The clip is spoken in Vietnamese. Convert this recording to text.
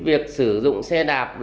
việc sử dụng xe đạp